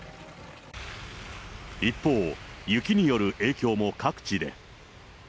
一方、雪による影響も各地で。